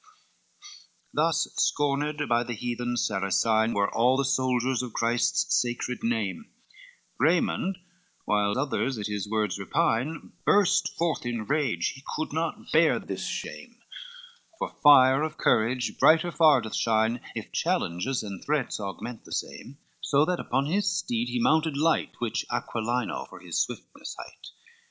LXXV Thus scorned by that heathen Saracine Were all the soldiers of Christ's sacred name: Raymond, while others at his words repine, Burst forth in rage, he could not bear this shame: For fire of courage brighter far doth shine If challenges and threats augment the same; So that, upon his steed he mounted light, Which Aquilino for his swiftness hight.